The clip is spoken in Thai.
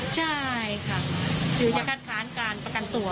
ใช่ค่ะหรือจะคัดค้านการประกันตัว